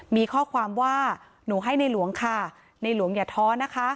มีข้อความว่าหนูให้ในหลวงค่ะในหลวงอย่าท้อนะคะ